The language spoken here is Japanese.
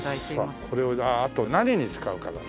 さあこれをあと何に使うかだな。